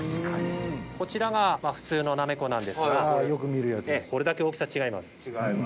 こちらが普通のなめこなんですがこれだけ大きさ違います。